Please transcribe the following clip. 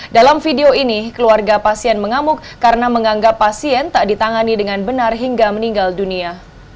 dalam video ini keluarga pasien mengamuk karena menganggap pasien tak ditangani dengan benar hingga meninggal dunia